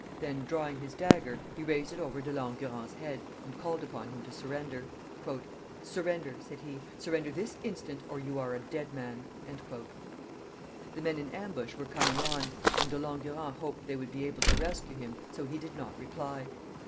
Then drawing his dagger, he raised it over De Langurant's head, and called upon him to surrender. "Surrender!" said he. "Surrender this instant, or you are a dead man." The men in ambush were coming on, and De Langurant hoped they would be able to rescue him, so he did not reply.